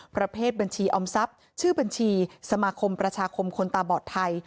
ประเภทบัญชีออมทรัพย์ชื่อบัญชีสมาคมประชาคมคนตาบอดไทย